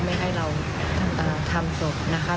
ไม่ให้เราทำศพนะคะ